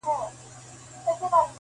بحثونه بيا بيا تکرارېږي تل,